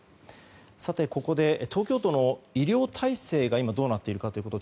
さて、ここで東京都の医療体制が今どうなっているかということを